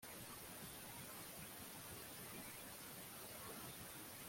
atangarire nyiribiremwa